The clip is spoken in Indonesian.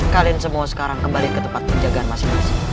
kalian semua sekarang kembali ke tempat penjagaan masing masing